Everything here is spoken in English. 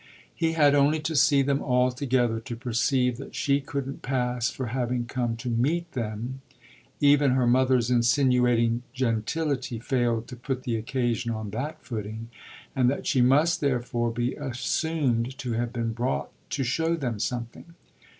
He had only to see them all together to perceive that she couldn't pass for having come to "meet" them even her mother's insinuating gentility failed to put the occasion on that footing and that she must therefore be assumed to have been brought to show them something.